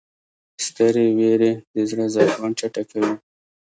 سترې وېرې د زړه ضربان چټکوي.